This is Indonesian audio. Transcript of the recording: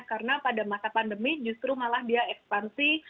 karena pada masa pandemi justru malah dia ekspansi